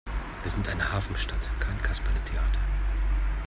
Wir sind eine Hafenstadt, kein Kasperletheater!